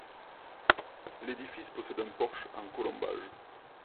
L'édifice possède un porche en colombages.